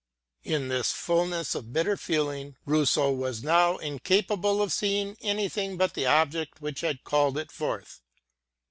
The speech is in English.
In this fulness of bitter feeling, Rousseau was now incapable of seeing anything but the object which had called it forth.